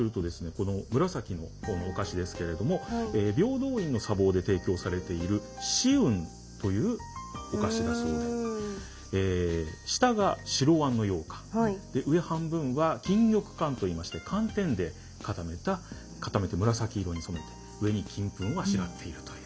この紫のお菓子ですけれども平等院の茶房で提供されている紫雲というお菓子だそうで下が白あんの羊羹上半分は錦玉羹と言いまして寒天で固めて紫色に染めて上に金粉をあしらっているという。